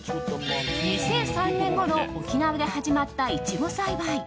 ２００３年ごろ沖縄で始まったイチゴ栽培。